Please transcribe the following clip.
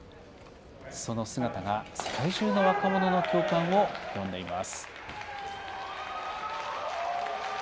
その姿が世界中の若者の共感を呼んでいます。